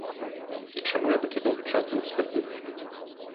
І чаму я такі доўгі час быў сляпым?